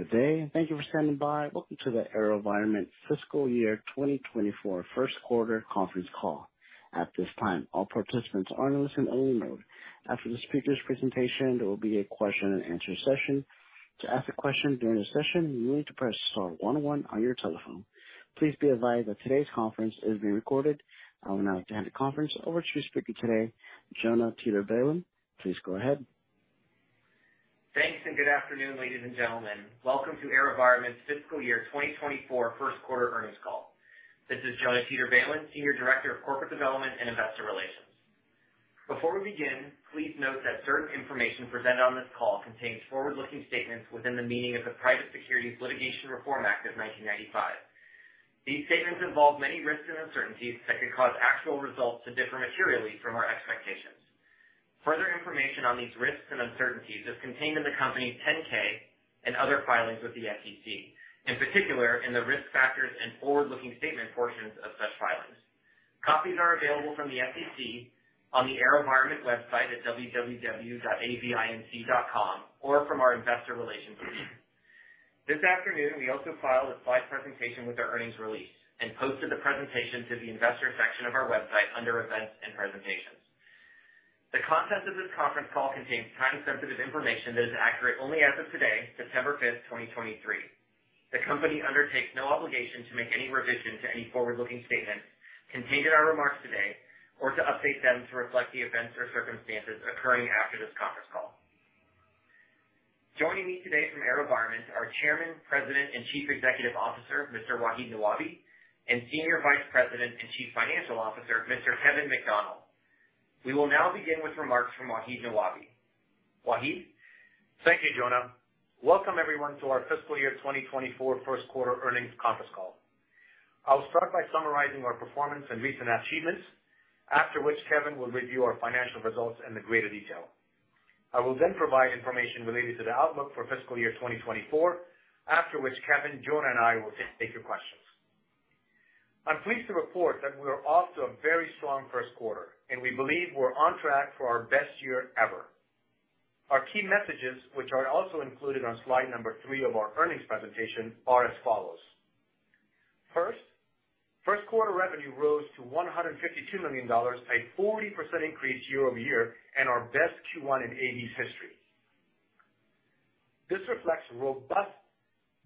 Good day, and thank you for standing by. Welcome to the AeroVironment Fiscal Year 2024 first quarter conference call. At this time, all participants are in listen-only mode. After the speaker's presentation, there will be a question-and-answer session. To ask a question during the session, you need to press star one zero one on your telephone. Please be advised that today's conference is being recorded. I will now hand the conference over to the speaker today, Jonah Teeter-Balin. Please go ahead. Thanks, and good afternoon, ladies and gentlemen. Welcome to AeroVironment's Fiscal Year 2024 first quarter earnings call. This is Jonah Teeter-Balin, Senior Director of Corporate Development and Investor Relations. Before we begin, please note that certain information presented on this call contains forward-looking statements within the meaning of the Private Securities Litigation Reform Act of 1995. These statements involve many risks and uncertainties that could cause actual results to differ materially from our expectations. Further information on these risks and uncertainties is contained in the company's 10-K and other filings with the SEC, in particular, in the risk factors and forward-looking statement portions of such filings. Copies are available from the SEC on the AeroVironment website at www.avinc.com or from our investor relations team. This afternoon, we also filed a slide presentation with our earnings release and posted the presentation to the investor section of our website under Events and Presentations. The content of this conference call contains time-sensitive information that is accurate only as of today, September fifth, 2023. The company undertakes no obligation to make any revision to any forward-looking statements contained in our remarks today or to update them to reflect the events or circumstances occurring after this conference call. Joining me today from AeroVironment are Chairman, President, and Chief Executive Officer, Mr. Wahid Nawabi, and Senior Vice President and Chief Financial Officer, Mr. Kevin McDonnell. We will now begin with remarks from Wahid Nawabi. Wahid? Thank you, Jonah. Welcome, everyone, to our fiscal year 2024 first quarter earnings conference call. I'll start by summarizing our performance and recent achievements, after which Kevin will review our financial results in greater detail. I will then provide information related to the outlook for fiscal year 2024, after which Kevin, Jonah, and I will take your questions. I'm pleased to report that we are off to a very strong first quarter, and we believe we're on track for our best year ever. Our key messages, which are also included on slide 3 of our earnings presentation, are as follows: First, first quarter revenue rose to $152 million, a 40% increase year-over-year, and our best Q1 in AV's history. This reflects robust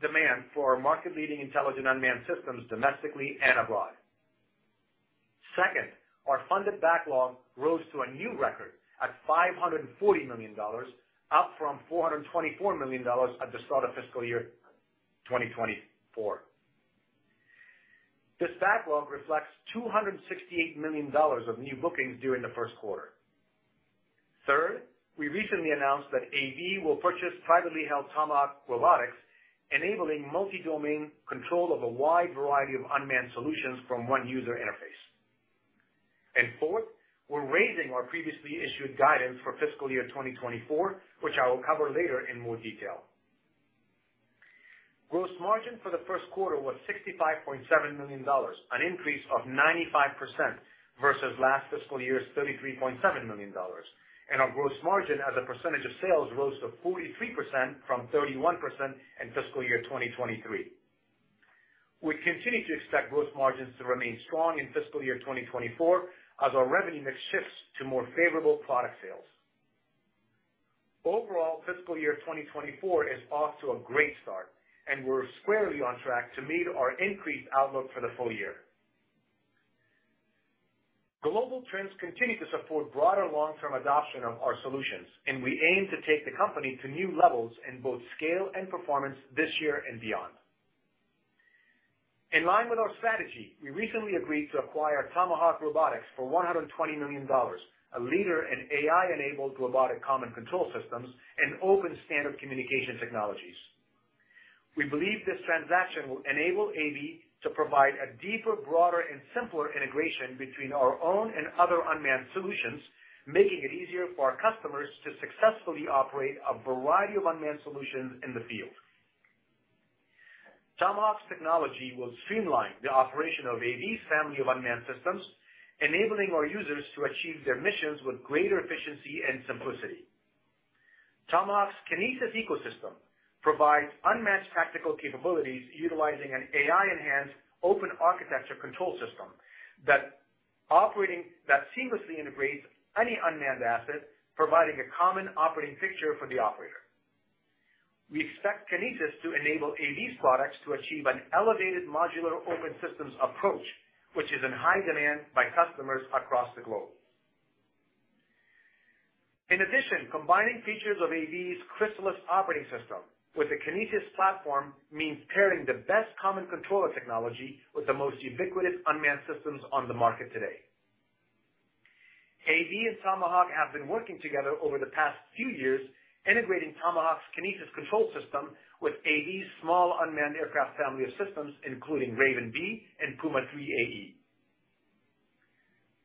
demand for our market-leading intelligent unmanned systems, domestically and abroad. Second, our funded backlog rose to a new record at $540 million, up from $424 million at the start of fiscal year 2024. This backlog reflects $268 million of new bookings during the first quarter. Third, we recently announced that AV will purchase privately held Tomahawk Robotics, enabling multi-domain control of a wide variety of unmanned solutions from one user interface. And fourth, we're raising our previously issued guidance for fiscal year 2024, which I will cover later in more detail. Gross margin for the first quarter was $65.7 million, an increase of 95% versus last fiscal year's $33.7 million, and our gross margin as a percentage of sales rose to 43% from 31% in fiscal year 2023. We continue to expect gross margins to remain strong in fiscal year 2024 as our revenue mix shifts to more favorable product sales. Overall, fiscal year 2024 is off to a great start, and we're squarely on track to meet our increased outlook for the full year. Global trends continue to support broader long-term adoption of our solutions, and we aim to take the company to new levels in both scale and performance this year and beyond. In line with our strategy, we recently agreed to acquire Tomahawk Robotics for $120 million, a leader in AI-enabled robotic common control systems and open standard communication technologies. We believe this transaction will enable AV to provide a deeper, broader, and simpler integration between our own and other unmanned solutions, making it easier for our customers to successfully operate a variety of unmanned solutions in the field. Tomahawk's technology will streamline the operation of AV's family of unmanned systems, enabling our users to achieve their missions with greater efficiency and simplicity. Tomahawk's Kinesis ecosystem provides unmatched tactical capabilities utilizing an AI-enhanced open architecture control system that seamlessly integrates any unmanned asset, providing a common operating picture for the operator. We expect Kinesis to enable AV's products to achieve an elevated Modular Open Systems Approach, which is in high demand by customers across the globe. In addition, combining features of AV's Crysalis operating system with the Kinesis platform means pairing the best common controller technology with the most ubiquitous unmanned systems on the market today. AV and Tomahawk have been working together over the past few years, integrating Tomahawk's Kinesis control system with AV's small unmanned aircraft family of systems, including Raven B and Puma 3 AE.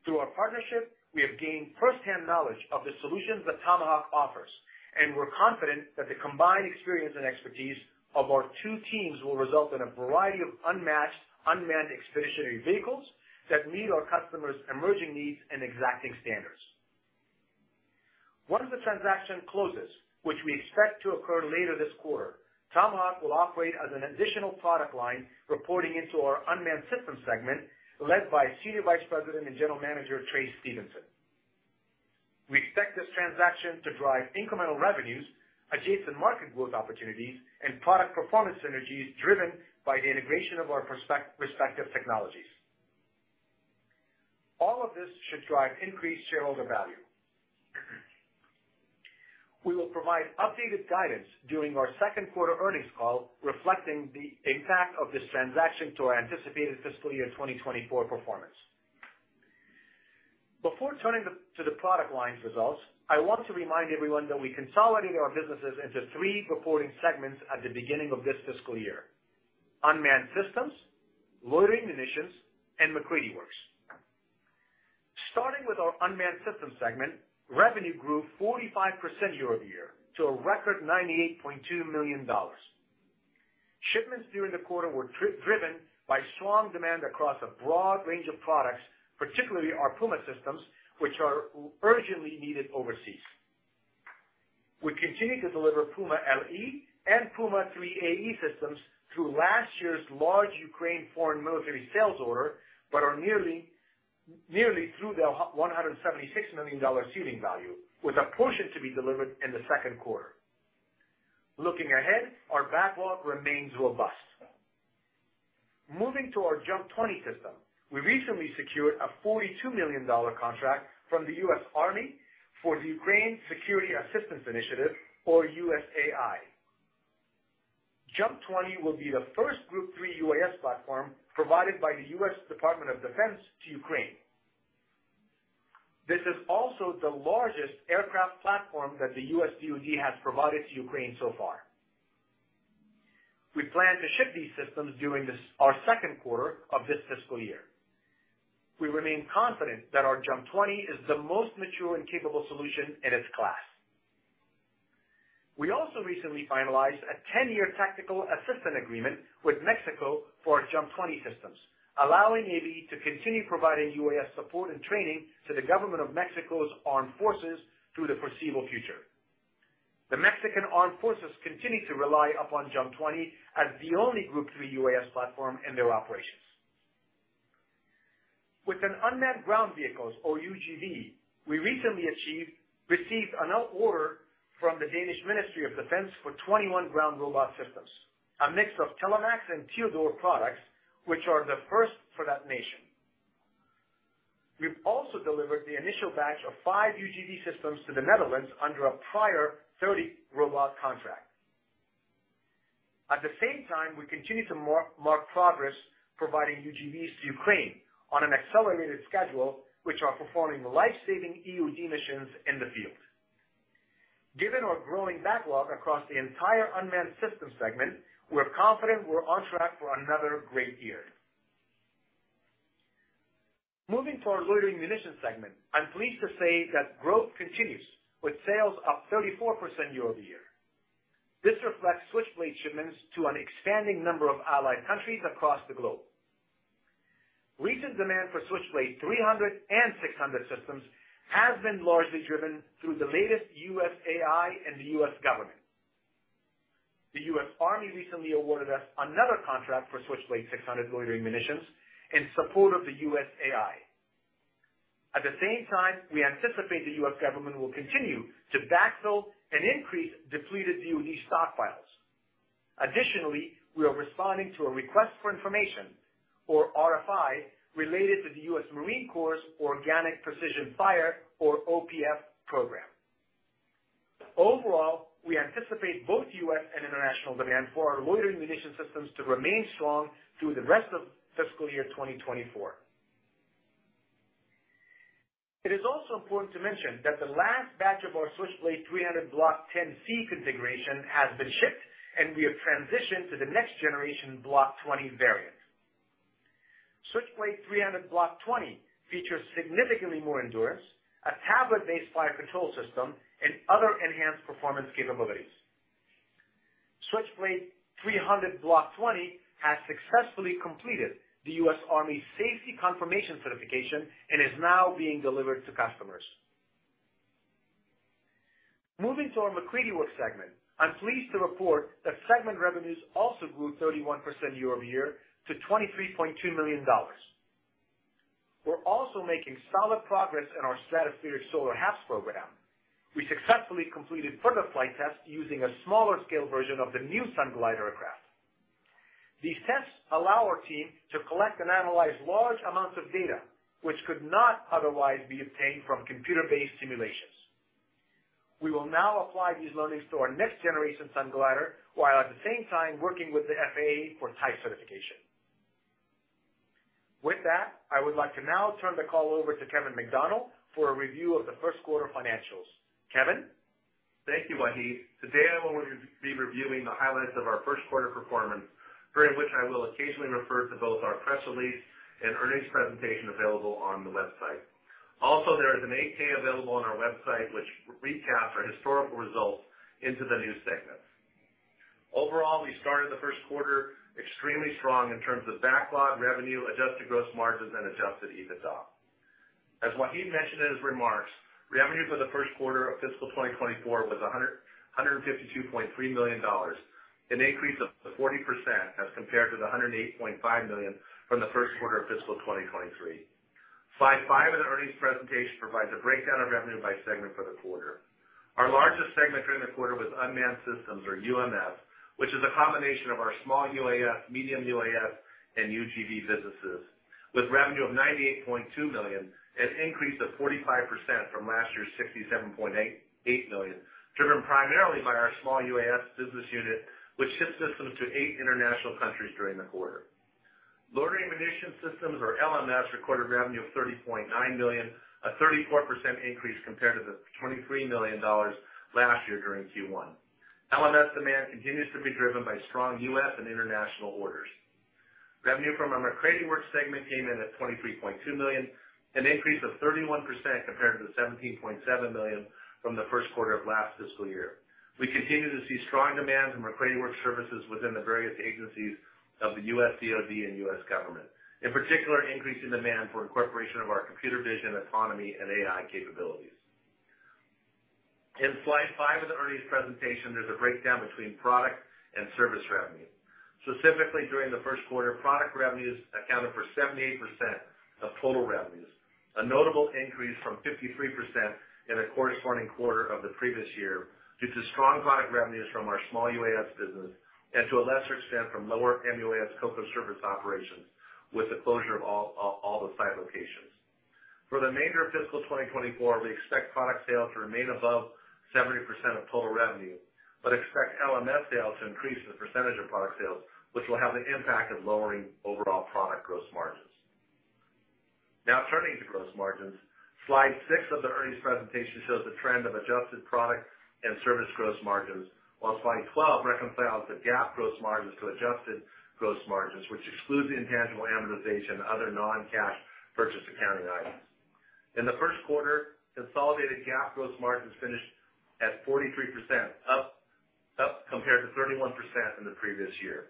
Through our partnership, we have gained firsthand knowledge of the solutions that Tomahawk offers, and we're confident that the combined experience and expertise of our two teams will result in a variety of unmatched unmanned expeditionary vehicles that meet our customers' emerging needs and exacting standards. Once the transaction closes, which we expect to occur later this quarter, Tomahawk will operate as an additional product line reporting into our Unmanned Systems segment, led by Senior Vice President and General Manager, Trace Stevenson. We expect this transaction to drive incremental revenues, adjacent market growth opportunities, and product performance synergies driven by the integration of our respective technologies. All of this should drive increased shareholder value. We will provide updated guidance during our second quarter earnings call, reflecting the impact of this transaction to our anticipated fiscal year 2024 performance. Before turning to the product line's results, I want to remind everyone that we consolidated our businesses into three reporting segments at the beginning of this fiscal year: Unmanned Systems, Loitering Munitions, and MacCready Works. Starting with our Unmanned Systems segment, revenue grew 45% year-over-year, to a record $98.2 million. Shipments during the quarter were driven by strong demand across a broad range of products, particularly our Puma systems, which are urgently needed overseas. We continue to deliver Puma LE and Puma 3 AE systems through last year's large Ukraine foreign military sales order, but are nearly through the $176 million ceiling value, with a portion to be delivered in the second quarter. Looking ahead, our backlog remains robust. Moving to our JUMP 20 system, we recently secured a $42 million contract from the U.S. Army for the Ukraine Security Assistance Initiative, or USAI. JUMP 20 will be the first Group 3 UAS platform provided by the U.S. Department of Defense to Ukraine. This is also the largest aircraft platform that the U.S. DoD has provided to Ukraine so far. We plan to ship these systems during this, our second quarter of this fiscal year. We remain confident that our JUMP 20 is the most mature and capable solution in its class. We also recently finalized a 10-year tactical assistance agreement with Mexico for our JUMP 20 systems, allowing AV to continue providing UAS support and training to the government of Mexico's armed forces through the foreseeable future. The Mexican armed forces continue to rely upon JUMP 20 as the only Group 3 UAS platform in their operations. With Unmanned Ground Vehicles, or UGV, we recently received an order from the Danish Ministry of Defense for 21 ground robot systems, a mix of Telerob and tEODor products, which are the first for that nation. We've also delivered the initial batch of 5 UGV systems to the Netherlands under a prior 30 robot contract. At the same time, we continue to mark progress providing UGVs to Ukraine on an accelerated schedule, which are performing life-saving UGV missions in the field. Given our growing backlog across the entire Unmanned Systems segment, we're confident we're on track for another great year. Moving to our Loitering Munition segment, I'm pleased to say that growth continues, with sales up 34% year-over-year. This reflects Switchblade shipments to an expanding number of allied countries across the globe. Recent demand for Switchblade 300 and 600 systems has been largely driven through the latest USAI and the U.S. government. The U.S. Army recently awarded us another contract for Switchblade 600 loitering munitions in support of the USAI. At the same time, we anticipate the U.S. government will continue to backfill and increase depleted DoD stockpiles. Additionally, we are responding to a request for information, or RFI, related to the U.S. Marine Corps' Organic Precision Fire, or OPF program. Overall, we anticipate both U.S. and international demand for our loitering munition systems to remain strong through the rest of fiscal year 2024. It is also important to mention that the last batch of our Switchblade 300 Block 10C configuration has been shipped, and we have transitioned to the next generation Block 20 variant. Switchblade 300 Block 20 features significantly more endurance, a tablet-based fire control system, and other enhanced performance capabilities. Switchblade 300 Block 20 has successfully completed the U.S. Army safety confirmation certification and is now being delivered to customers. Moving to our MacCready Works segment, I'm pleased to report that segment revenues also grew 31% year-over-year to $23.2 million. We're also making solid progress in our stratospheric solar HAPS program. We successfully completed further flight tests using a smaller scale version of the new Sunglider aircraft. These tests allow our team to collect and analyze large amounts of data, which could not otherwise be obtained from computer-based simulations. We will now apply these learnings to our next generation Sunglider, while at the same time working with the FAA for type certification. With that, I would like to now turn the call over to Kevin McDonnell for a review of the first quarter financials. Kevin? Thank you, Wahid. Today I will be reviewing the highlights of our first quarter performance, during which I will occasionally refer to both our press release and earnings presentation available on the website. Also, there is an 8-K available on our website, which recaps our historical results into the new segments. Overall, we started the first quarter extremely strong in terms of backlog revenue, adjusted gross margins, and adjusted EBITDA. As Wahid mentioned in his remarks, revenue for the first quarter of fiscal 2024 was $152.3 million, an increase of 40% as compared to the $108.5 million from the first quarter of fiscal 2023. Slide 5 of the earnings presentation provides a breakdown of revenue by segment for the quarter. Our largest segment during the quarter was Unmanned Systems, or UMS, which is a combination of our small UAS, medium UAS, and UGV businesses, with revenue of $98.2 million, an increase of 45% from last year's $67.88 million, driven primarily by our small UAS business unit, which shipped systems to eight international countries during the quarter. Loitering Munition Systems, or LMS, recorded revenue of $30.9 million, a 34% increase compared to the $23 million last year during Q1. LMS demand continues to be driven by strong U.S. and international orders. Revenue from our MacCready Works segment came in at $23.2 million, an increase of 31% compared to the $17.7 million from the first quarter of last fiscal year. We continue to see strong demand from MacCready Works services within the various agencies of the U.S. DoD and U.S. government, in particular, increasing demand for incorporation of our computer vision, autonomy, and AI capabilities. In slide 5 of the earnings presentation, there's a breakdown between product and service revenue. Specifically, during the first quarter, product revenues accounted for 78% of total revenues, a notable increase from 53% in the corresponding quarter of the previous year, due to strong product revenues from our small UAS business, and to a lesser extent, from lower MUAS COCO service operations, with the closure of all the site locations. For the remainder of fiscal 2024, we expect product sales to remain above 70% of total revenue, but expect LMS sales to increase the percentage of product sales, which will have the impact of lowering overall product gross margins. Now, turning to gross margins. Slide 6 of the earnings presentation shows the trend of adjusted product and service gross margins, while slide 12 reconciles the GAAP gross margins to adjusted gross margins, which excludes the intangible amortization and other non-cash purchase accounting items. In the first quarter, consolidated GAAP gross margins finished at 43%, up compared to 31% in the previous year.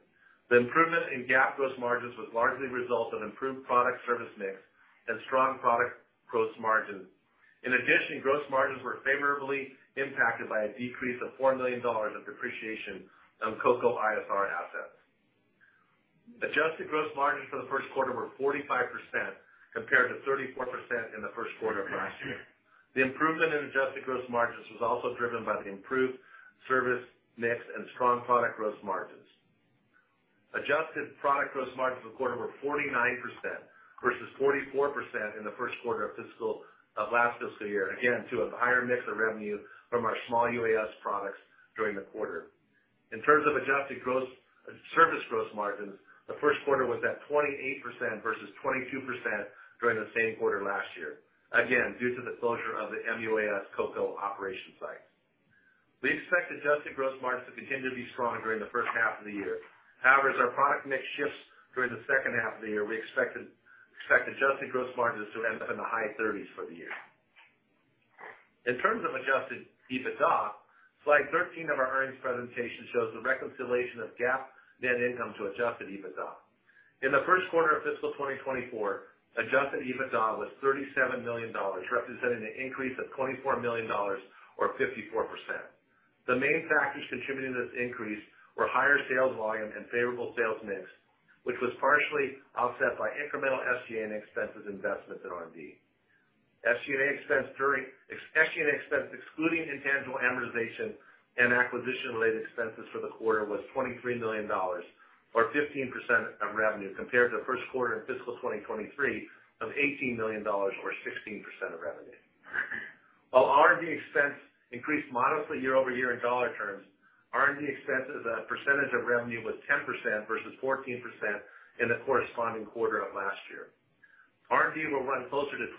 The improvement in GAAP gross margins was largely a result of improved product service mix and strong product gross margin. In addition, gross margins were favorably impacted by a decrease of $4 million of depreciation on COCO ISR assets. Adjusted gross margins for the first quarter were 45%, compared to 34% in the first quarter of last year. The improvement in adjusted gross margins was also driven by the improved service mix and strong product gross margins. Adjusted product gross margins for the quarter were 49% versus 44% in the first quarter of last fiscal year, again, due to a higher mix of revenue from our small UAS products during the quarter. In terms of adjusted service gross margins, the first quarter was at 28% versus 22% during the same quarter last year, again, due to the closure of the MUAS COCO operation site. We expect adjusted gross margins to continue to be strong during the first half of the year. However, as our product mix shifts during the second half of the year, we expect adjusted gross margins to end up in the high 30s for the year. In terms of adjusted EBITDA, slide 13 of our earnings presentation shows the reconciliation of GAAP net income to adjusted EBITDA. In the first quarter of fiscal 2024, adjusted EBITDA was $37 million, representing an increase of $24 million, or 54%. The main factors contributing to this increase were higher sales volume and favorable sales mix, which was partially offset by incremental SG&A expenses investments in R&D. SG&A expense, excluding intangible amortization and acquisition-related expenses for the quarter, was $23 million or 15% of revenue, compared to the first quarter in fiscal 2023 of $18 million or 16% of revenue. While R&D expense increased modestly year-over-year in dollar terms, R&D expense as a percentage of revenue was 10% versus 14% in the corresponding quarter of last year. R&D will run closer to 12%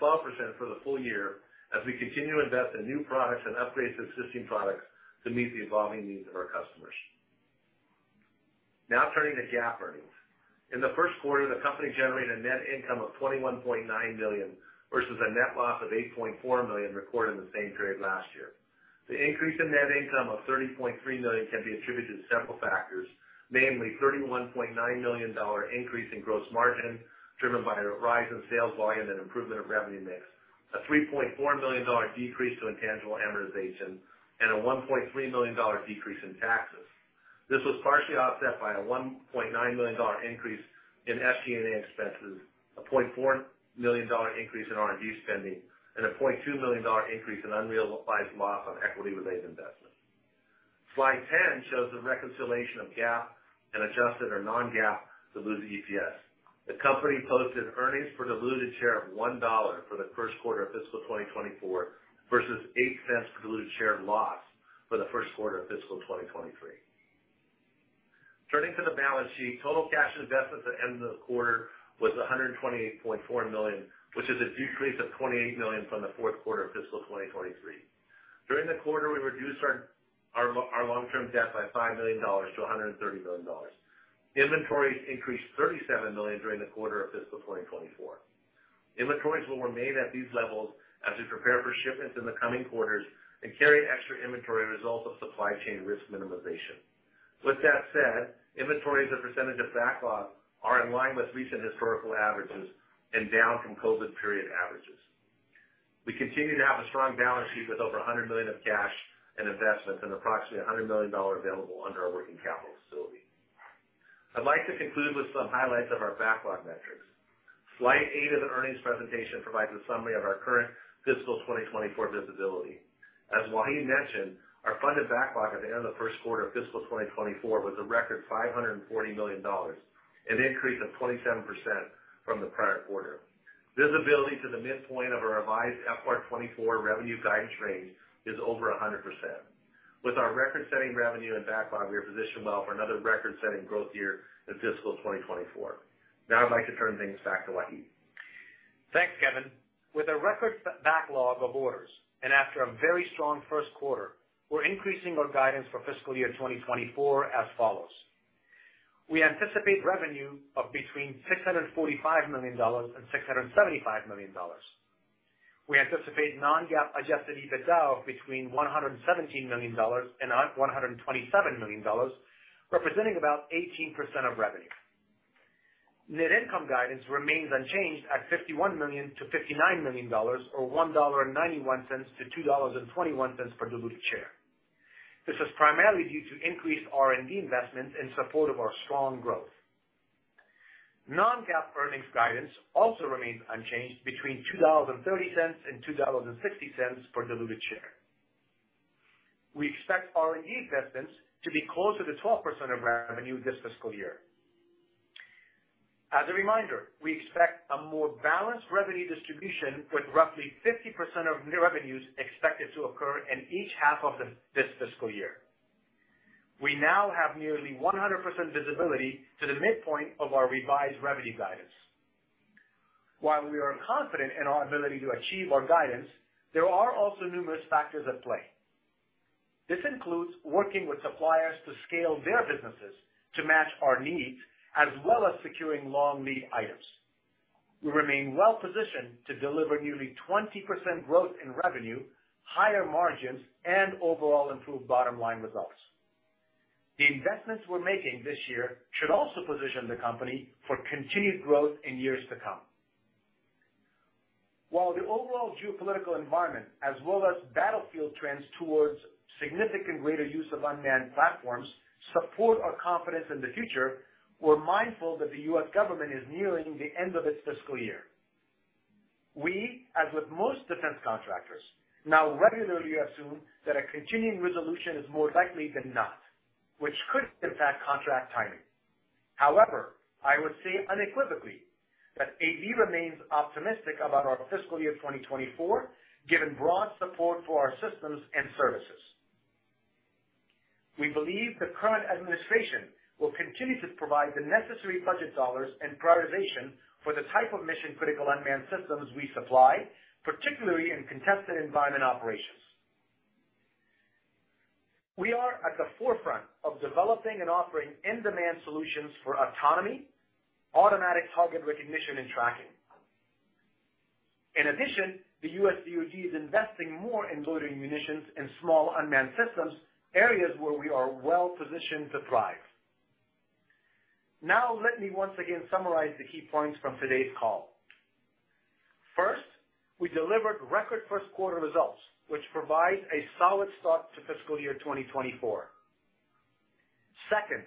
for the full year as we continue to invest in new products and upgrades to existing products to meet the evolving needs of our customers. Now turning to GAAP earnings. In the first quarter, the company generated a net income of $21.9 million, versus a net loss of $8.4 million recorded in the same period last year. The increase in net income of $30.3 million can be attributed to several factors, namely $31.9 million increase in gross margin, driven by a rise in sales volume and improvement of revenue mix, a $3.4 million decrease to intangible amortization, and a $1.3 million decrease in taxes. This was partially offset by a $1.9 million increase in SG&A expenses, a $0.4 million increase in R&D spending, and a $0.2 million increase in unrealized loss on equity-related investments. Slide 10 shows the reconciliation of GAAP and adjusted or non-GAAP diluted EPS. The company posted earnings per diluted share of $1 for the first quarter of fiscal 2024, versus eight cents diluted share loss for the first quarter of fiscal 2023. Turning to the balance sheet. Total cash and investments at the end of the quarter was $128.4 million, which is a decrease of $28 million from the fourth quarter of fiscal 2023. During the quarter, we reduced our long-term debt by $5 million to $130 million. Inventories increased $37 million during the quarter of fiscal 2024. Inventories will remain at these levels as we prepare for shipments in the coming quarters and carry extra inventory as a result of supply chain risk minimization. With that said, inventories as a percentage of backlog are in line with recent historical averages and down from COVID period averages. We continue to have a strong balance sheet, with over $100 million of cash and investments and approximately $100 million available under our working capital facility. I'd like to conclude with some highlights of our backlog metrics. Slide 8 of the earnings presentation provides a summary of our current fiscal 2024 visibility. As Wahid mentioned, our funded backlog at the end of the first quarter of fiscal 2024 was a record $540 million, an increase of 27% from the prior quarter. Visibility to the midpoint of our revised FY 2024 revenue guidance range is over 100%. With our record-setting revenue and backlog, we are positioned well for another record-setting growth year in fiscal 2024. Now I'd like to turn things back to Wahid. Thanks, Kevin. With a record backlog of orders and after a very strong first quarter, we're increasing our guidance for fiscal year 2024 as follows: We anticipate revenue of between $645 million and $675 million. We anticipate non-GAAP adjusted EBITDA of between $117 million and $127 million, representing about 18% of revenue. Net income guidance remains unchanged at $51 million-$59 million, or $1.91-$2.21 per diluted share. This is primarily due to increased R&D investments in support of our strong growth. Non-GAAP earnings guidance also remains unchanged between $2.30 and $2.60 per diluted share. We expect R&D investments to be closer to 12% of revenue this fiscal year. As a reminder, we expect a more balanced revenue distribution, with roughly 50% of new revenues expected to occur in each half of this fiscal year. We now have nearly 100% visibility to the midpoint of our revised revenue guidance. While we are confident in our ability to achieve our guidance, there are also numerous factors at play. This includes working with suppliers to scale their businesses to match our needs, as well as securing long lead items. We remain well positioned to deliver nearly 20% growth in revenue, higher margins, and overall improved bottom-line results. The investments we're making this year should also position the company for continued growth in years to come. While the overall geopolitical environment, as well as battlefield trends towards significantly greater use of unmanned platforms, support our confidence in the future, we're mindful that the U.S. government is nearing the end of its fiscal year. We, as with most defense contractors, now regularly assume that a continuing resolution is more likely than not, which could impact contract timing. However, I would say unequivocally that AV remains optimistic about our fiscal year 2024, given broad support for our systems and services. We believe the current administration will continue to provide the necessary budget dollars and prioritization for the type of mission-critical unmanned systems we supply, particularly in contested environment operations. We are at the forefront of developing and offering in-demand solutions for autonomy, automatic target recognition, and tracking. In addition, the U.S. DoD is investing more in loitering munitions and small unmanned systems, areas where we are well positioned to thrive. Now, let me once again summarize the key points from today's call. First, we delivered record first quarter results, which provides a solid start to fiscal year 2024. Second,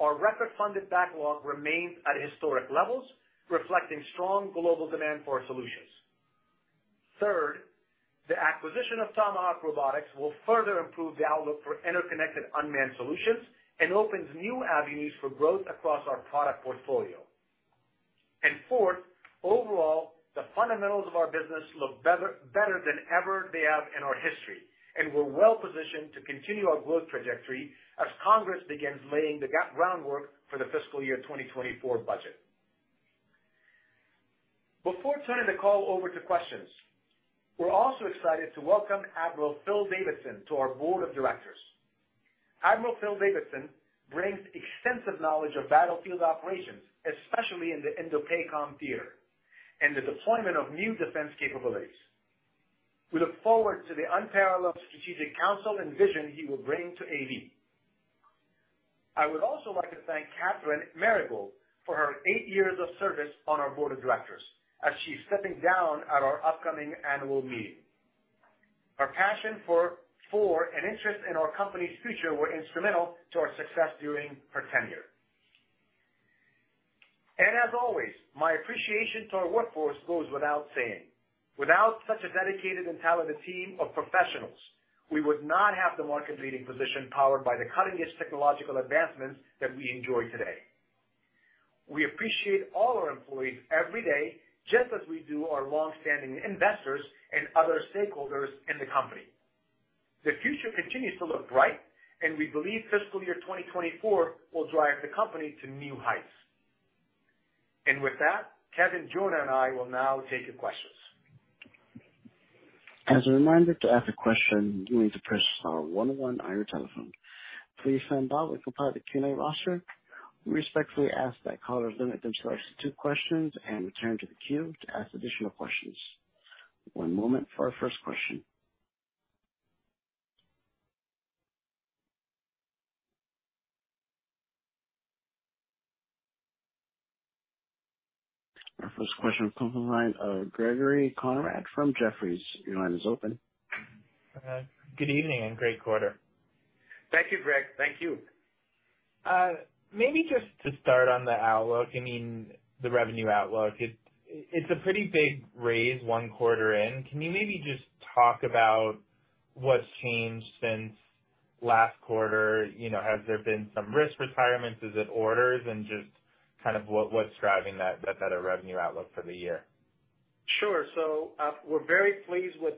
our record-funded backlog remains at historic levels, reflecting strong global demand for our solutions. Third, the acquisition of Tomahawk Robotics will further improve the outlook for interconnected unmanned solutions and opens new avenues for growth across our product portfolio. And fourth, overall, the fundamentals of our business look better, better than ever they have in our history, and we're well positioned to continue our growth trajectory as Congress begins laying the groundwork for the fiscal year 2024 budget. Before turning the call over to questions, we're also excited to welcome Admiral Phil Davidson to our board of directors. Admiral Phil Davidson brings extensive knowledge of battlefield operations, especially in the INDOPACOM theater, and the deployment of new defense capabilities. We look forward to the unparalleled strategic counsel and vision he will bring to AV. I would also like to thank Catharine Merigold for her eight years of service on our board of directors, as she's stepping down at our upcoming annual meeting. Her passion for and interest in our company's future were instrumental to our success during her tenure. And as always, my appreciation to our workforce goes without saying. Without such a dedicated and talented team of professionals, we would not have the market-leading position powered by the cutting-edge technological advancements that we enjoy today. We appreciate all our employees every day, just as we do our long-standing investors and other stakeholders in the company. The future continues to look bright, and we believe fiscal year 2024 will drive the company to new heights. With that, Kevin, Jonah, and I will now take your questions.... As a reminder, to ask a question, you need to press star one one on your telephone. Please stand by. We compile the Q&A roster. We respectfully ask that callers limit themselves to two questions and return to the queue to ask additional questions. One moment for our first question. Our first question comes from the line of Greg Konrad, from Jefferies. Your line is open. Good evening, and great quarter. Thank you, Greg. Thank you. Maybe just to start on the outlook, I mean, the revenue outlook, it, it's a pretty big raise one quarter in. Can you maybe just talk about what's changed since last quarter? You know, has there been some risk retirements? Is it orders? And just kind of what, what's driving that, that better revenue outlook for the year? Sure. So, we're very pleased with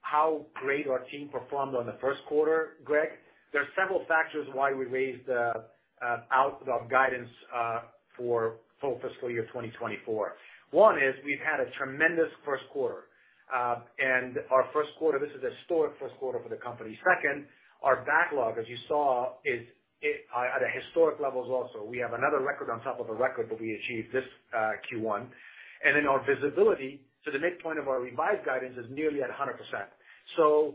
how great our team performed on the first quarter, Greg. There are several factors why we raised the guidance for full fiscal year 2024. One is we've had a tremendous first quarter, and our first quarter, this is a historic first quarter for the company. Second, our backlog, as you saw, is at a historic levels also. We have another record on top of a record that we achieved this Q1, and then our visibility to the midpoint of our revised guidance is nearly at 100%. So,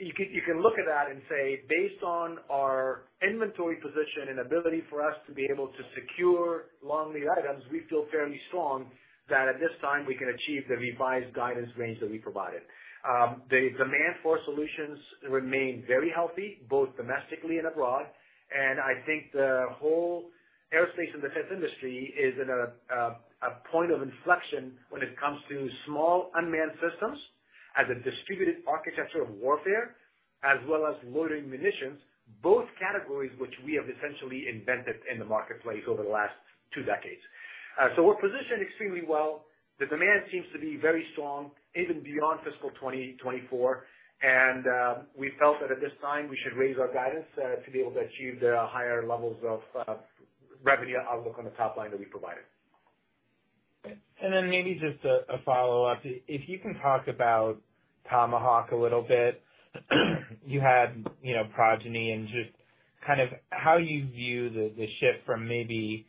you can, you can look at that and say, based on our inventory position and ability for us to be able to secure long-lead items, we feel fairly strong that at this time we can achieve the revised guidance range that we provided. The demand for solutions remain very healthy, both domestically and abroad, and I think the whole aerospace and defense industry is in a point of inflection when it comes to small unmanned systems as a distributed architecture of warfare, as well as loading munitions, both categories which we have essentially invented in the marketplace over the last two decades. So we're positioned extremely well. The demand seems to be very strong, even beyond fiscal 2024, and we felt that at this time we should raise our guidance to be able to achieve the higher levels of revenue outlook on the top line that we provided. Then maybe just a follow-up, if you can talk about Tomahawk a little bit. You had, you know, Progeny and just kind of how you view the shift from maybe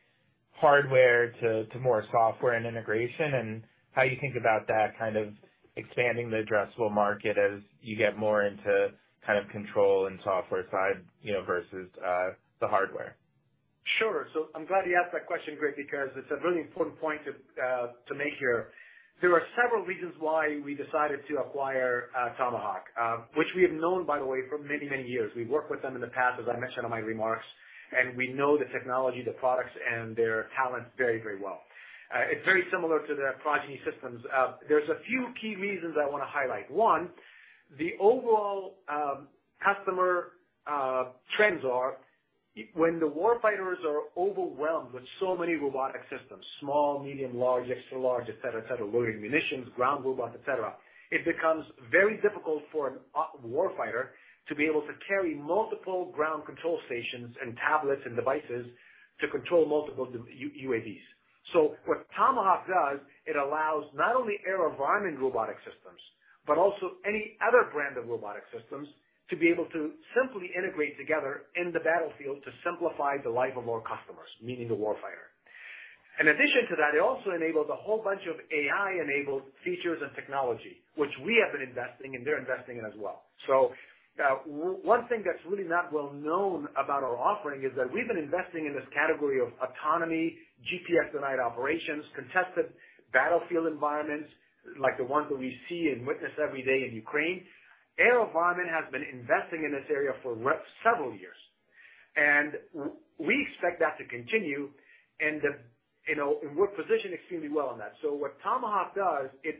hardware to more software and integration and how you think about that kind of expanding the addressable market as you get more into kind of control and software side, you know, versus the hardware. Sure. So I'm glad you asked that question, Greg, because it's a really important point to make here. There are several reasons why we decided to acquire Tomahawk, which we have known, by the way, for many, many years. We've worked with them in the past, as I mentioned in my remarks, and we know the technology, the products, and their talent very, very well. It's very similar to the Progeny Systems. There's a few key reasons I want to highlight. One, the overall customer trends are when the warfighters are overwhelmed with so many robotic systems, small, medium, large, extra large, et cetera, et cetera, loading munitions, ground robots, et cetera, it becomes very difficult for a warfighter to be able to carry multiple ground control stations and tablets and devices to control multiple UAVs. So what Tomahawk does, it allows not only AeroVironment robotic systems, but also any other brand of robotic systems, to be able to simply integrate together in the battlefield to simplify the life of our customers, meaning the warfighter. In addition to that, it also enables a whole bunch of AI-enabled features and technology, which we have been investing in, they're investing in as well. So, one thing that's really not well known about our offering is that we've been investing in this category of autonomy, GPS-denied operations, contested battlefield environments, like the ones that we see and witness every day in Ukraine. AeroVironment has been investing in this area for several years, and we expect that to continue, and, you know, and we're positioned extremely well on that. So what Tomahawk does, it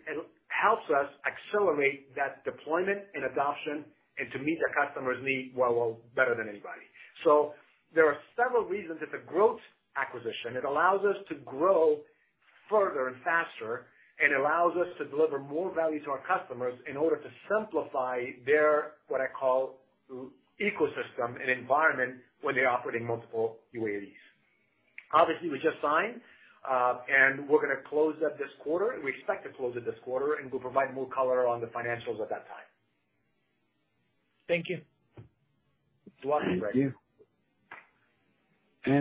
helps us accelerate that deployment and adoption and to meet the customer's need well, well better than anybody. So there are several reasons. It's a growth acquisition. It allows us to grow further and faster, and allows us to deliver more value to our customers in order to simplify their, what I call, ecosystem and environment when they're operating multiple UAVs. Obviously, we just signed, and we're gonna close that this quarter. We expect to close it this quarter, and we'll provide more color on the financials at that time. Thank you. You're welcome, Greg. Thank you.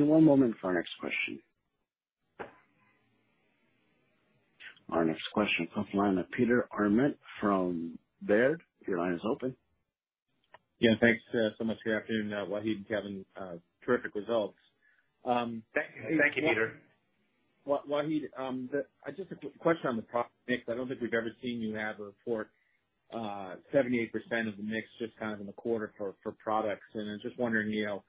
One moment for our next question. Our next question comes from the line of Peter Arment from Baird. Your line is open. Yeah, thanks, so much. Good afternoon, Wahid and Kevin. Terrific results. Thank you, Peter. Wahid, just a question on the product mix. I don't think we've ever seen you have a report, 78% of the mix just kind of in the quarter for products. And I'm just wondering, you know,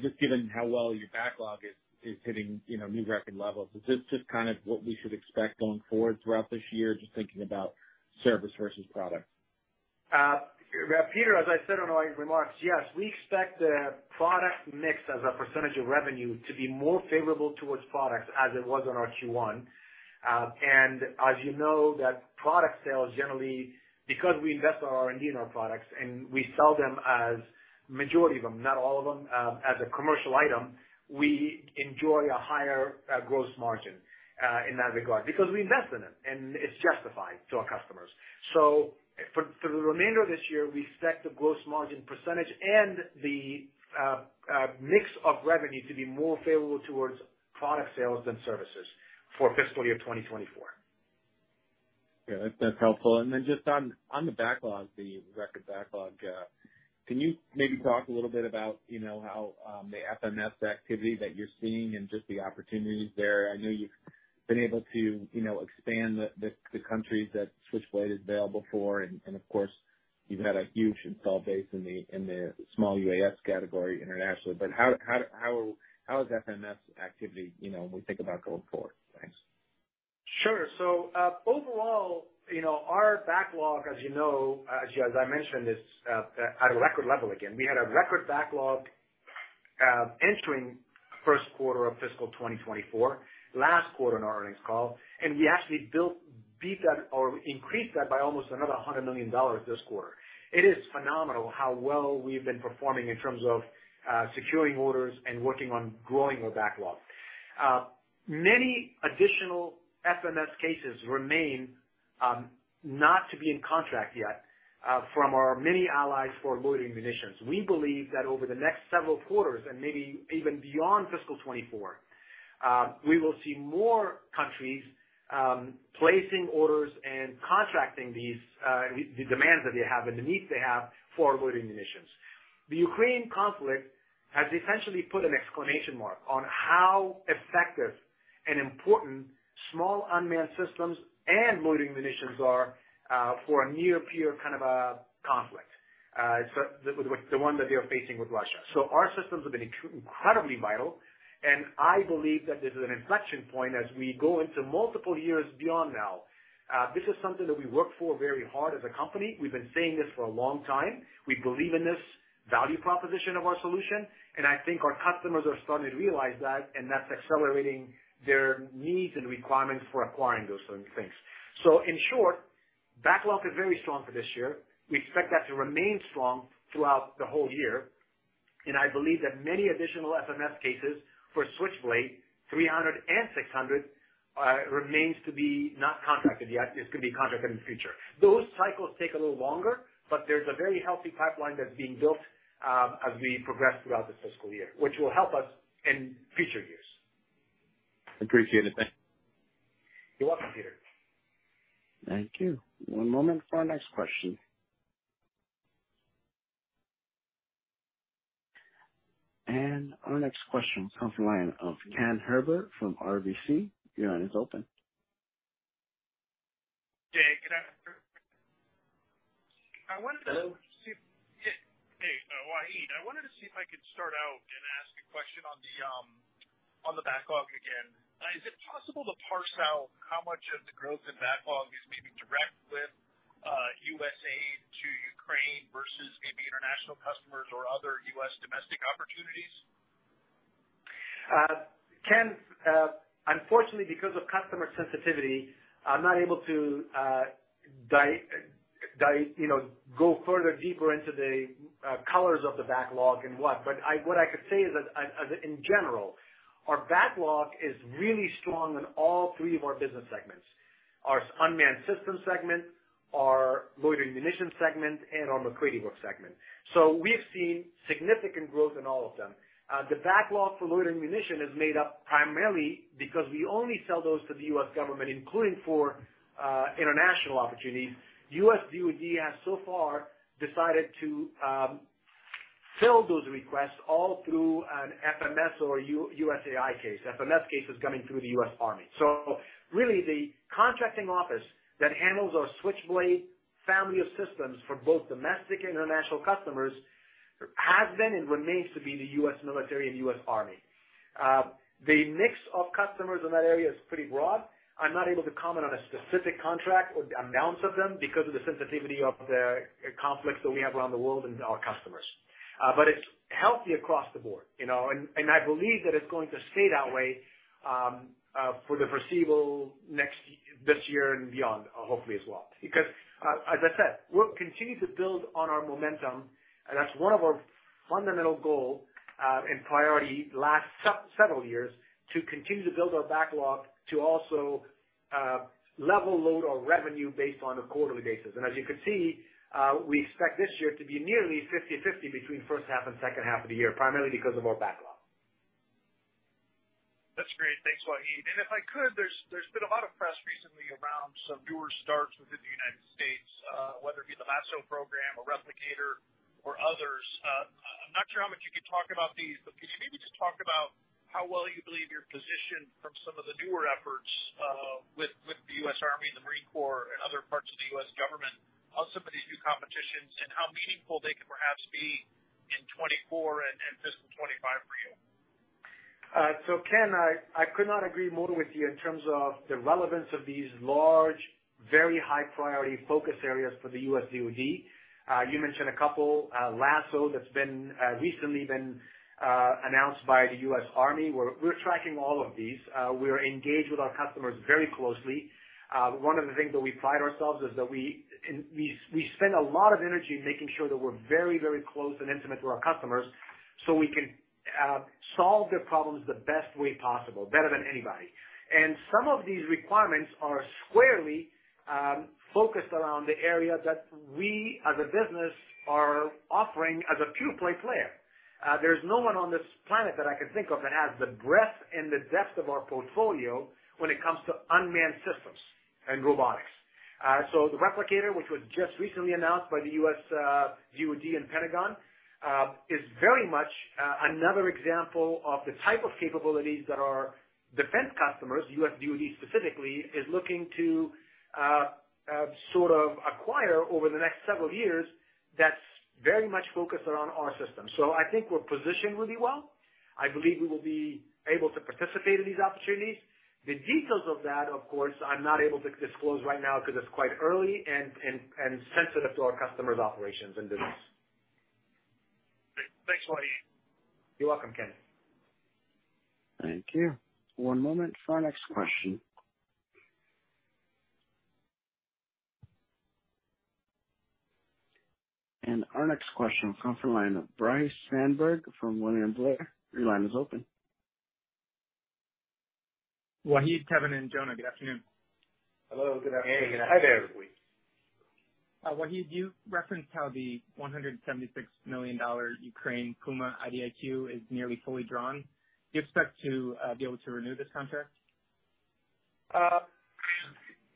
just given how well your backlog is hitting, you know, new record levels, is this just kind of what we should expect going forward throughout this year? Just thinking about service versus product. Peter, as I said on my remarks, yes, we expect the product mix as a percentage of revenue to be more favorable towards products as it was on our Q1. As you know, that product sales generally, because we invest our R&D in our products and we sell them as, majority of them, not all of them, as a commercial item, we enjoy a higher gross margin in that regard, because we invest in them, and it's justified to our customers. So for, for the remainder of this year, we expect the gross margin percentage and the mix of revenue to be more favorable towards product sales than services for fiscal year 2024. ... Yeah, that's, that's helpful. And then just on the backlog, the record backlog, can you maybe talk a little bit about, you know, how the FMS activity that you're seeing and just the opportunities there? I know you've been able to, you know, expand the countries that Switchblade is available for. And of course, you've had a huge install base in the small UAS category internationally. But how is FMS activity, you know, when we think about going forward? Thanks. Sure. So, overall, you know, our backlog, as you know, as I mentioned, is at a record level again. We had a record backlog entering first quarter of fiscal 2024, last quarter on our earnings call, and we actually beat that or increased that by almost another $100 million this quarter. It is phenomenal how well we've been performing in terms of securing orders and working on growing our backlog. Many additional FMS cases remain not to be in contract yet from our many allies for loitering munitions. We believe that over the next several quarters, and maybe even beyond fiscal 2024, we will see more countries placing orders and contracting these the demands that they have and the needs they have for loitering munitions. The Ukraine conflict has essentially put an exclamation mark on how effective and important small unmanned systems and loitering munitions are for a near peer kind of a conflict, so with the one that they are facing with Russia. So our systems have been incredibly vital, and I believe that this is an inflection point as we go into multiple years beyond now. This is something that we worked for very hard as a company. We've been saying this for a long time. We believe in this value proposition of our solution, and I think our customers are starting to realize that, and that's accelerating their needs and requirements for acquiring those certain things. So in short, backlog is very strong for this year. We expect that to remain strong throughout the whole year, and I believe that many additional FMS cases for Switchblade 300 and 600 remains to be not contracted yet, is to be contracted in the future. Those cycles take a little longer, but there's a very healthy pipeline that's being built, as we progress throughout the fiscal year, which will help us in future years. Appreciate it. Thank you. You're welcome, Peter. Thank you. One moment for our next question. Our next question comes from the line of Ken Herbert from RBC. Your line is open. Hey, I wanted to see if... Hey, Wahid, I wanted to see if I could start out and ask a question on the, on the backlog again. Is it possible to parse out how much of the growth in backlog is maybe direct with, U.S. aid to Ukraine versus maybe international customers or other U.S. domestic opportunities? Ken, unfortunately, because of customer sensitivity, I'm not able to, you know, go further deeper into the colors of the backlog and what. But what I could say is that, in general, our backlog is really strong in all three of our business segments, our unmanned systems segment, our loitering munitions segment, and our MacCready Group segment. So we've seen significant growth in all of them. The backlog for loitering munition is made up primarily because we only sell those to the U.S. government, including for international opportunities. U.S. DoD has so far decided to fill those requests all through an FMS or USAI case. FMS case is coming through the U.S. Army. So really, the contracting office that handles our Switchblade family of systems for both domestic and international customers has been and remains to be the U.S. military and U.S. Army. The mix of customers in that area is pretty broad. I'm not able to comment on a specific contract or the amounts of them because of the sensitivity of the conflicts that we have around the world and our customers. But it's healthy across the board, you know, and, and I believe that it's going to stay that way, for the foreseeable next, this year and beyond, hopefully as well. Because, as I said, we'll continue to build on our momentum, and that's one of our fundamental goal, and priority last several years, to continue to build our backlog to also, level load our revenue based on a quarterly basis. As you can see, we expect this year to be nearly 50/50 between first half and second half of the year, primarily because of our backlog. That's great. Thanks, Wahid. And if I could, there's been a lot of press recently around some newer starts within the United States, whether it be the LASSO program or Replicator or others. I'm not sure how much you can talk about these, but can you maybe just talk about how well you believe you're positioned from some of the newer efforts, with the U.S. Army and the U.S. Marine Corps and other parts of the U.S. government on some of these new competitions, and how meaningful they could perhaps be in 2024 and fiscal 2025 for you? So Ken, I could not agree more with you in terms of the relevance of these large, very high priority focus areas for the U.S. DoD. You mentioned a couple, LASSO, that's been recently announced by the U.S. Army. We're tracking all of these. We're engaged with our customers very closely. One of the things that we pride ourselves is that we spend a lot of energy making sure that we're very, very close and intimate with our customers so we can solve their problems the best way possible, better than anybody. And some of these requirements are squarely focused around the area that we as a business are offering as a pure play player. There's no one on this planet that I can think of that has the breadth and the depth of our portfolio when it comes to unmanned systems and robotics. So the Replicator, which was just recently announced by the U.S. DoD and Pentagon, is very much another example of the type of capabilities that our defense customers, U.S. DoD specifically, is looking to sort of acquire over the next several years that's very much focused around our system. So I think we're positioned really well. I believe we will be able to participate in these opportunities. The details of that, of course, I'm not able to disclose right now because it's quite early and sensitive to our customers' operations and business. Thanks, Wahid. You're welcome, Ken. Thank you. One moment for our next question. Our next question will come from the line of Bryce Sandberg from William Blair. Your line is open. Wahid, Kevin, and Jonah, good afternoon. Hello, good afternoon. Hey, good afternoon. Hi there. Wahid, you referenced how the $176 million Ukraine Puma IDIQ is nearly fully drawn. Do you expect to be able to renew this contract?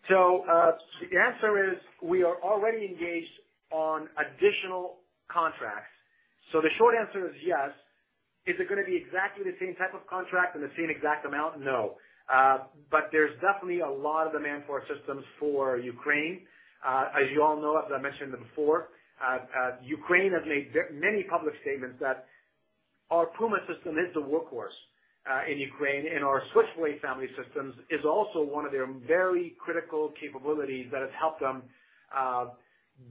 So, the answer is we are already engaged on additional contracts. So the short answer is yes. Is it gonna be exactly the same type of contract and the same exact amount? No. But there's definitely a lot of demand for our systems for Ukraine. As you all know, as I mentioned before, Ukraine has made many public statements that our Puma system is the workhorse in Ukraine, and our Switchblade family of systems is also one of their very critical capabilities that has helped them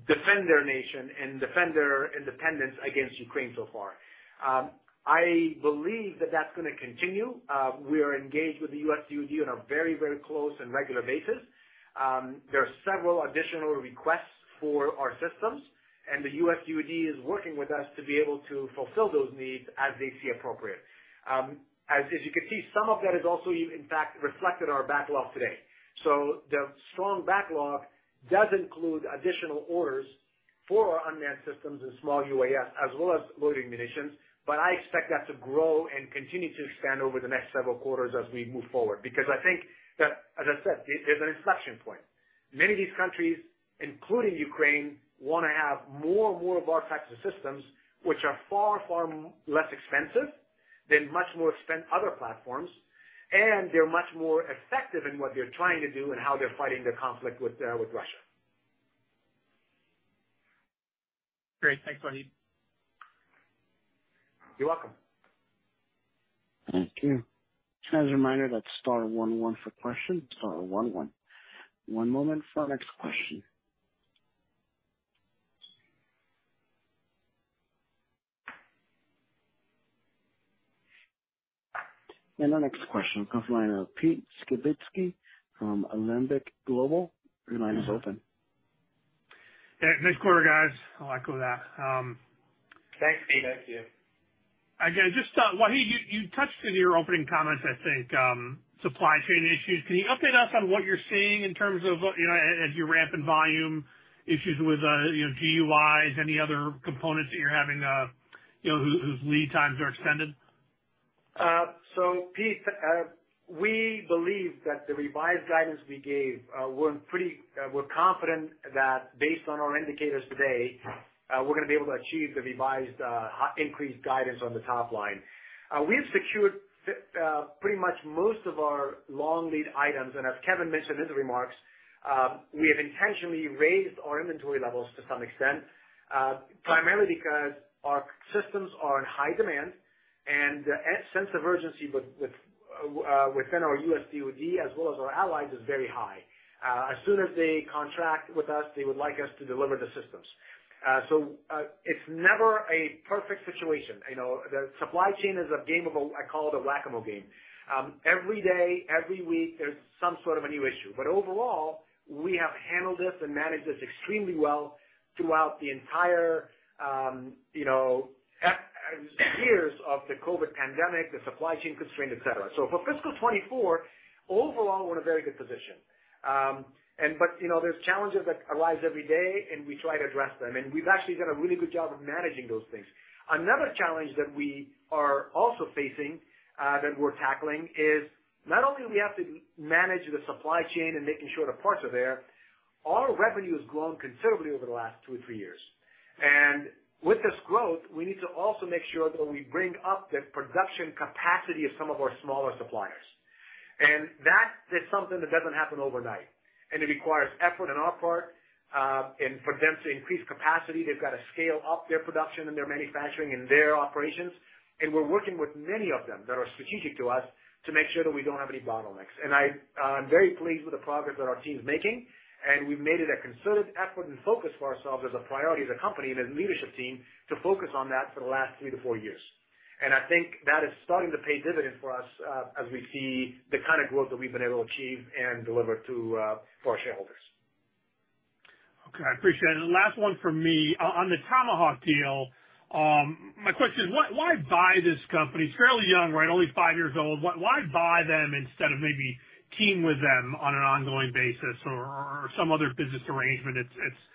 defend their nation and defend their independence against Ukraine so far. I believe that that's gonna continue. We are engaged with the U.S. DoD on a very, very close and regular basis. There are several additional requests for our systems, and the U.S. DoD is working with us to be able to fulfill those needs as they see appropriate. As you can see, some of that is also in fact reflected in our backlog today. So the strong backlog does include additional orders for our unmanned systems and small UAS, as well as loitering munitions, but I expect that to grow and continue to expand over the next several quarters as we move forward. Because I think that, as I said, there's an inflection point. Many of these countries, including Ukraine, want to have more and more of our types of systems, which are far, far less expensive than much more other platforms, and they're much more effective in what they're trying to do and how they're fighting the conflict with with Russia. Great. Thanks, Wahid. You're welcome. Thank you. As a reminder, that's star one one for questions, star one one. One moment for our next question. Our next question comes from the line of Pete Skibitski from Alembic Global. Your line is open. Yeah. Nice quarter, guys. I'll echo that. Thanks, Pete. Thank you. Again, just Wahid, you touched on your opening comments, I think, supply chain issues. Can you update us on what you're seeing in terms of, you know, as you ramp in volume, issues with, you know, UGVs, any other components that you're having, you know, whose lead times are extended? So Pete, we believe that the revised guidance we gave, we're pretty confident that based on our indicators today, we're gonna be able to achieve the revised, increased guidance on the top line. We've secured pretty much most of our long lead items, and as Kevin mentioned in his remarks, we have intentionally raised our inventory levels to some extent, primarily because our systems are in high demand, and the sense of urgency with, within our U.S. DoD, as well as our allies, is very high. As soon as they contract with us, they would like us to deliver the systems. So, it's never a perfect situation. You know, the supply chain is a game of a -- I call it a whack-a-mole game. Every day, every week, there's some sort of a new issue. But overall, we have handled this and managed this extremely well throughout the entire, you know, years of the COVID pandemic, the supply chain constraint, et cetera. So for fiscal 2024, overall, we're in a very good position. But, you know, there's challenges that arise every day, and we try to address them. And we've actually done a really good job of managing those things. Another challenge that we are also facing, that we're tackling, is not only do we have to manage the supply chain and making sure the parts are there, our revenue has grown considerably over the last two or three years. And with this growth, we need to also make sure that we bring up the production capacity of some of our smaller suppliers. That is something that doesn't happen overnight, and it requires effort on our part. For them to increase capacity, they've got to scale up their production and their manufacturing and their operations. We're working with many of them that are strategic to us to make sure that we don't have any bottlenecks. I, I'm very pleased with the progress that our team's making, and we've made it a concerted effort and focus for ourselves as a priority as a company and as a leadership team to focus on that for the last 3-4 years. I think that is starting to pay dividends for us, as we see the kind of growth that we've been able to achieve and deliver to, for our shareholders. Okay, I appreciate it. And last one from me. On the Tomahawk deal, my question is, why buy this company? It's fairly young, right? Only five years old. Why buy them instead of maybe teaming with them on an ongoing basis or some other business arrangement that's-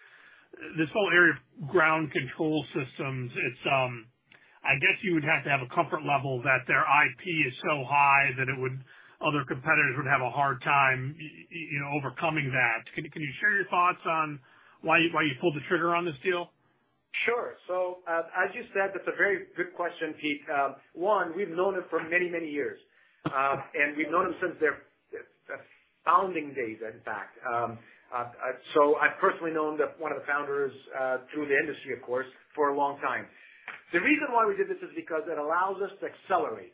This whole area of ground control systems, it's, I guess you would have to have a comfort level that their IP is so high that it would- other competitors would have a hard time, you know, overcoming that. Can you share your thoughts on why you pulled the trigger on this deal? Sure. So, as you said, that's a very good question, Pete. One, we've known it for many, many years. We've known them since their founding days, in fact. I've personally known one of the founders through the industry, of course, for a long time. The reason why we did this is because it allows us to accelerate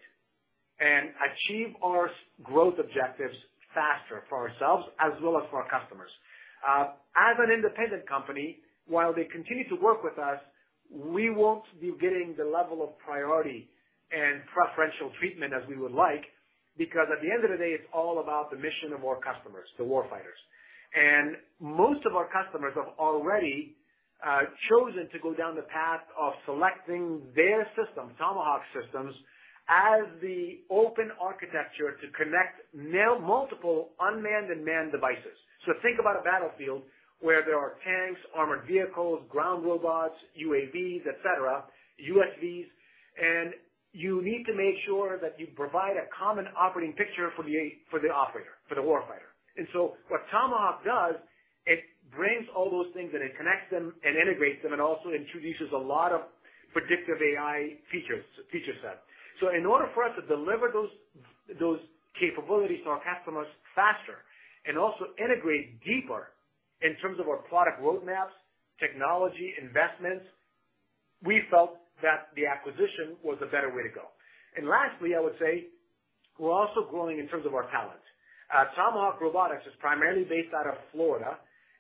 and achieve our growth objectives faster for ourselves as well as for our customers. As an independent company, while they continue to work with us, we won't be getting the level of priority and preferential treatment as we would like, because at the end of the day, it's all about the mission of our customers, the warfighters. Most of our customers have already chosen to go down the path of selecting their systems, Tomahawk systems, as the open architecture to connect now multiple unmanned and manned devices. Think about a battlefield where there are tanks, armored vehicles, ground robots, UAVs, et cetera, USVs, and you need to make sure that you provide a common operating picture for the operator, for the warfighter. What Tomahawk does, it brings all those things and it connects them and integrates them, and also introduces a lot of predictive AI features, feature set. In order for us to deliver those, those capabilities to our customers faster and also integrate deeper in terms of our product roadmaps, technology, investments, we felt that the acquisition was a better way to go. Lastly, I would say we're also growing in terms of our talent. Tomahawk Robotics is primarily based out of Florida,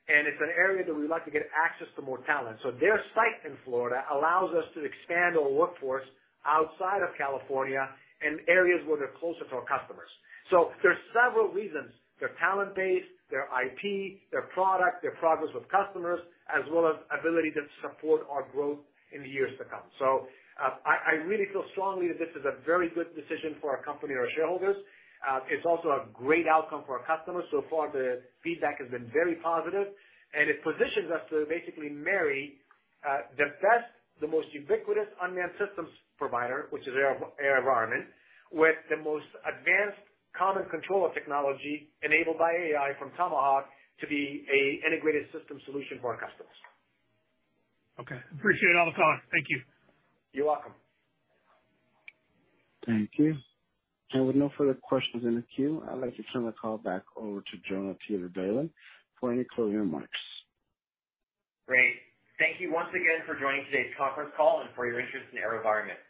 and it's an area that we'd like to get access to more talent. So their site in Florida allows us to expand our workforce outside of California in areas where they're closer to our customers. So there's several reasons. Their talent base, their IP, their product, their progress with customers, as well as ability to support our growth in the years to come. So, I really feel strongly that this is a very good decision for our company and our shareholders. It's also a great outcome for our customers. So far, the feedback has been very positive, and it positions us to basically marry the best, the most ubiquitous unmanned systems provider, which is AeroVironment, with the most advanced common controller technology enabled by AI from Tomahawk to be a integrated system solution for our customers. Okay. Appreciate all the color. Thank you. You're welcome. Thank you. With no further questions in the queue, I'd like to turn the call back over to Jonah Teeter-Balin for any closing remarks. Great. Thank you once again for joining today's conference call and for your interest in AeroVironment.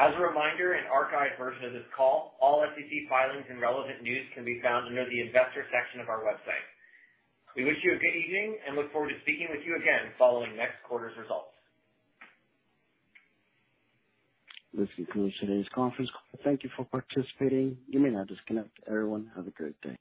As a reminder, an archived version of this call, all SEC filings and relevant news can be found under the Investors section of our website. We wish you a good evening and look forward to speaking with you again following next quarter's results. This concludes today's conference call. Thank you for participating. You may now disconnect. Everyone, have a great day.